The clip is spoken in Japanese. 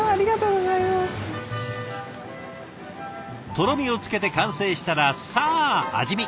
とろみをつけて完成したらさあ味見！